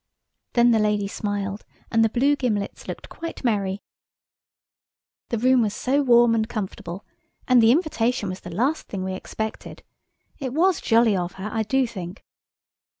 Then the lady smiled and the blue gimlets looked quite merry. The room was so warm and comfortable and the invitation was the last thing we expected. It was jolly of her, I do think.